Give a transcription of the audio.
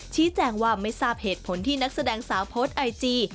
ชี้แจงว่าไม่ทราบเหตุผลที่นักแสดงสาวโพสต์ไอจี